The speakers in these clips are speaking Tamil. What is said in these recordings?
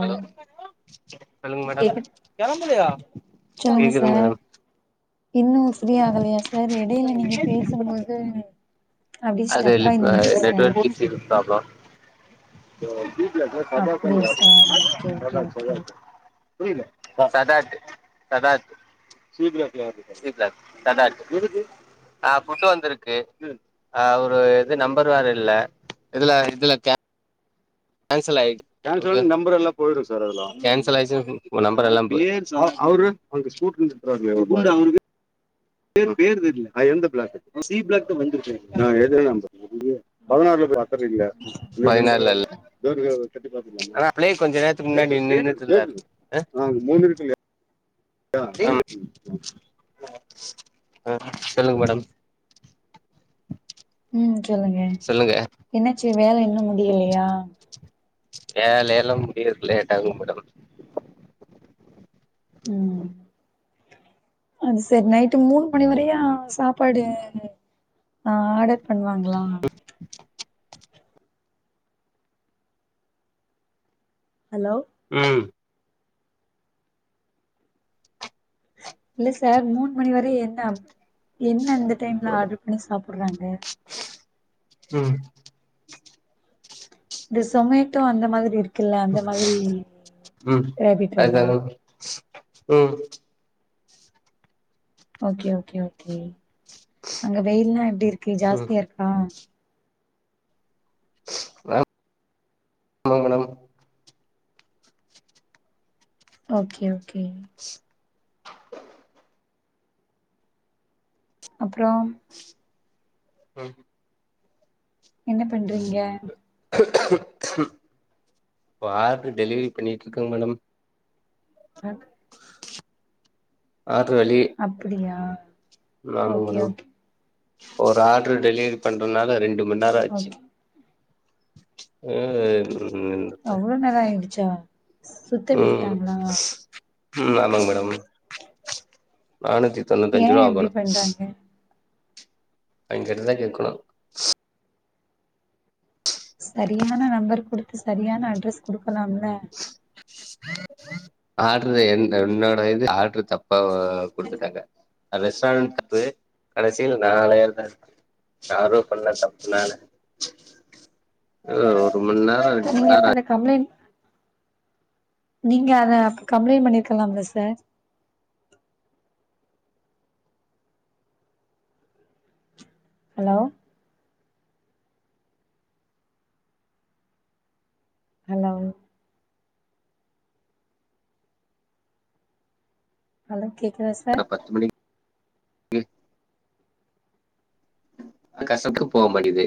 ஹலோ சொல்லுங் மேடம் கேக்கு சொல்லுங்க கேக்குதுங் சார் மேடம் இன்னு ஃப்ரீ ஆகலயா சார் எடையில நீங்க பேசும்போது அப்டியே அது ஸ்டக்காயி லிப் அ நின்னுடுச்சு சார் நெட்வர்க் இஷு ப்ராப்ள [inaudible] [inaudible] புரில அப்டியா sir okay okay okay [unintelligible] food வந்திருக்கு ஆ ஒரு இது நம்பர் வேற இல்ல இதுல இதுலே கே கேன்சல் ஆயிடுச்சு [unintelligible] புரில [unintelligible] ப்ளே கொஞ்ச நேரத்துக்கு முன்னாடி நின்னுதுல்ல [unintelligible] [unintelligible] ஆஹ் சொல்லுங் மேடம் ம் சொல்லுங்க சொல்லுங்க என்னாச்சு வேல இன்னு முடியலையா வேலயெல்லா முடியறக்கு லேட்டாகு மேடம் ம் அது சேர் நைட்டு மூணு மணி வரைய சாப்பாடு ஆர்டர் பண்வாங்ளா ஹலோ ம் இல்ல சார் மூணு மணி வரை என்ன அப் என்ன இந்த டைம்ல ஆர்டர் பண்ணி சாப்புட்றாங்க ம் து சொமேட்டோ அந்த மாதிரி இருக் குல்ல அந்த மாதிரி ம் ராபிட்டோவா அதுதாங்க ம் ஓகே ஓகே ஓகே அங்க வெயில்லா எப்டி இருக்கு ம் ஜாஸ்தியா இருக்கா ஆ ஆமா மேடம் ஓகே ஓகே அப்றோ ம் என்ன பண்றீங்க இப்ப ஆர்ட்ர் டெலிவெரி பண்ணிட்டு இருக்கங்க மேடம் ஆஹ் ஆர்டரு வெளிய அப்பிடியா ஆமா மேடம் ஒரு ஆட்ர் டெலிவரி பண்றனால ரெண்டு ரெம்ப நேராச்சி ஓகே [unintelligible] அவ்ளோ நேர ஆயிடுச்சா சுத்த உம் விட்டுட்டாங்களா உம் ஆமங்க மேடம் நானூத்தி ஏ தொண்ணுத்தஞ்சிர்வா இப்டி வாங்கணு பண்றாங்க அவங்ககிட்டதா கேக்கணு சரியான நம்பர் குடுத்து சரியான அட்ரஸ் குடுக்கலாம்ல ஆர்ட்ரு என் என்னோட இது ஆர்ட்ரு தப்பா ஆ குடுத்துட்டாங்க ரெஸ்டாரண்ட் தப்பு கடைசில நா அலையறதா யாரோ பண்ண தப்புனால ம்ஹ் நா நீங்க அப்ப [unintelligible] அத கம்ப்ளைண்ட் நீங்க அத அப்ப கம்ப்ளைண் பண்ணிருக்கலாம்ல சார் ஹலோ ஹலோவ் அல கேக்குதா ஆனா சார் [unintelligible] அது [unintelligible] போ மாட்டிங்குது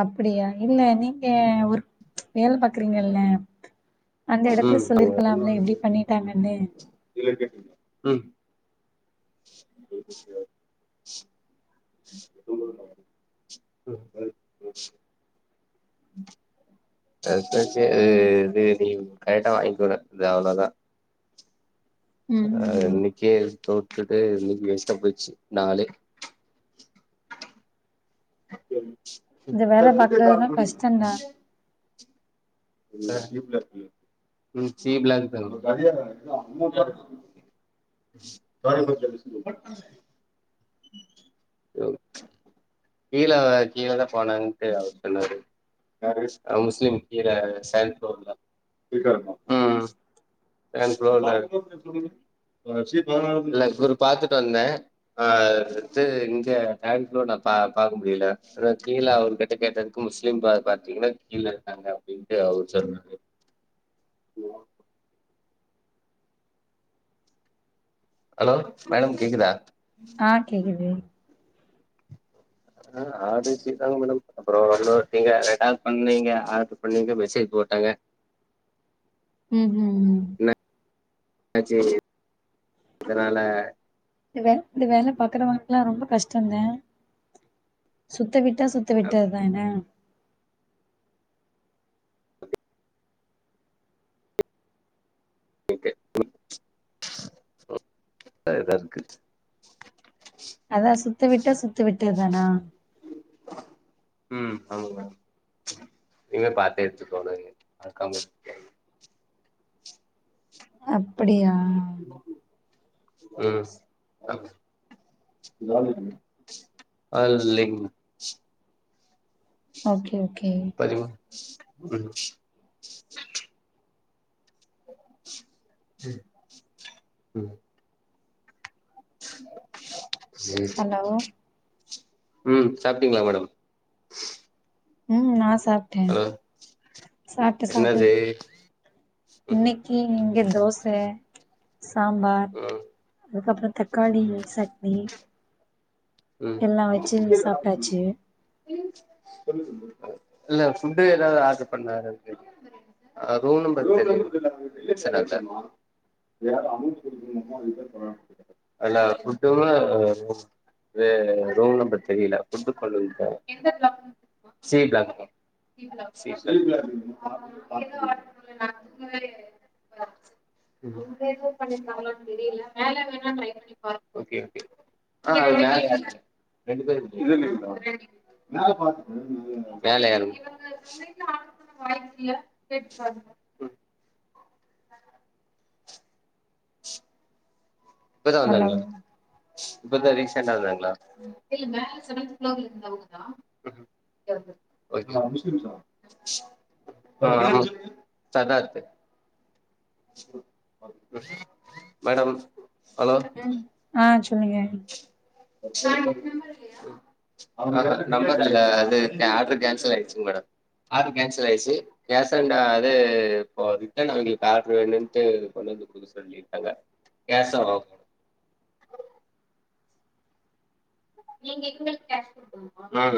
அப்டியா இல்ல நீங்க ஒரு வேலை பாக்குறீங்கில்ல அந்த இடத்துல ம் சொல்லிருக்கலாம்ல இப்டி பண்ணிட்டாங்கன்னு உஹம் [inaudible] [unintelligible] நீ கரெக்டா வாங்கிக்கோ என்ன இல்ல அவ்ளோதா ம் அ ம் ம் [unintelligible] கே போட்டுட்டு இதுல வேஸ்டா போச்சி நாளே அப்றம் இங்க வேல பாக்குறதா கஷ்ட தா சீ ப்ளாக் தா [unintelligible] கீழ கீழலா போனாங்கன்ட்டு அவரு சொன்னாரு யாரு [unintelligible] சரி ப்ரோ ம் [unintelligible] செர் புரோ இல்ல இவரு பாத்துட்டு வந்தே அ அது இங்க [unintelligible] பாக்க முடியல கீழ அவரு கிட்ட கேட்டதுக்கு முஸ்லீம் பா பாத்தீங்கன்னா கீழ இருக்காங்க அப்டின் ஏ அவுரு [unintelligible] ஹலோ மேடம் கேக்குதா ஆ கேக்கிது கேக்குது ஆ ஆடர் வச்சிக்கிட்டு நாம என்னங்க பண்ண போறோ [unintelligible] என்ன பண்வீங்க ஆடர் பண்ணவீங்க மெசேஜ் போட்டங்க ம் ம் ம் ன ஆ சேரி அதனால இத இந்த வேல பாக்குறவங்கலுக்கெல்லா ரொம்ப கஷ்டோ இல்ல சுத்த விட் டா சுத்த விட்டாதான [unintelligible] டயர்டா இருக்கு அதா சுத் சுத்தவிட்டா சுத்த விட்டதானா ம் ஆமாங்க் மேம் நீங்ளே பாத்து எடுத்துக்கோங்க அக்கா அப்படியா ம் [unintelligible] அவரு இல்லிங்கனா ஓகே ஓகே ம் ம் ம் ஹலோ [unintelligible] ம் [inaudible] ம் சாப்பிட்டீங்ளா மேடம் ம் நா ச் சாப்ட்டே ஹலோ சாப்ட்ட சாப்ட்ட என்னது ம் இன்னைக்கி இங்க தோச சாம்பார் ம் அதுக்கப்றோ தக்காளி சட்னி ம் எல்லா வச்சி சாப்ட்டாச்சி இல்ல புட் எதாவத் ஆர்டர் பண்ணாரா கேட்ட அது ஒன்னு பிரச்சன இல்ல [unintelligible] [unintelligible] து ரூம் நம்பர் தெரியில புட் கொண்டு வந்துருக்கே எந்த பிளாக் சீ பிளாக்ங்க சீ பிளாக்கா சீ பிளாக் [unintelligible] தெரியில மேல வேனா ட்ரை பண்ணி பாருங்க ஓகே ஓகே ஆ மேல ரெண்டு பேர் மேல மேலயா [unintelligible] ஸ் இப்பதா ஹலோ வந்தாங்களா இப்ப தா ரீசென்டா வந்தாங்ளா இல்ல மேல செவன்த் ஃப்ளோர்ல இருந்தவங்க தா [inaudible] முஸ்லீம்ஸா ஆ பேர் என்ன சொன்னீங்க சதார்த்து [inaudible] மேடம் ஹலோ ம் ஆஹ் சொல்லுங்க [unintelligible] நம்பர் இல்லையா [inaudible] நம்பர் இல்ல அது ஆட்ரு கேன்சலாயிச்சிங் மேடம். ஆட்ரு கேன்சலாயிடிச்சி கேஷ் அன்ட் அது இப்போ ரிட்டன் அவங்களுக்கு ஆட்ரு என்னன்ட்டு கொண்டு வந்து குடுக்க சொல்லிருக்காங்க. கேஷ் [unintelligible] நீங்க எங்களுக் கேஷ் குடுக்கனுமா உம்